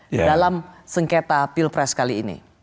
di dalam sengketa pilpres kali ini